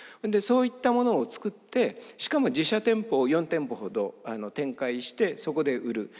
でそういったものを作ってしかも自社店舗を４店舗ほど展開してそこで売る。